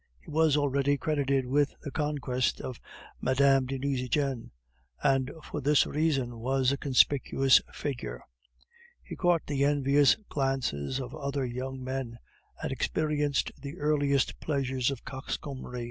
He was already credited with the conquest of Mme. de Nucingen, and for this reason was a conspicuous figure; he caught the envious glances of other young men, and experienced the earliest pleasures of coxcombry.